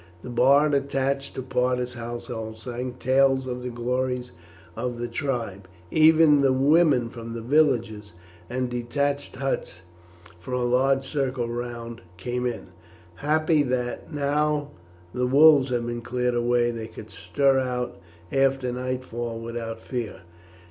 The bard attached to Parta's household sang tales of the glories of the tribe, even the women from the villages and detached huts for a large circle round came in, happy that, now the wolves had been cleared away, they could stir out after nightfall without fear.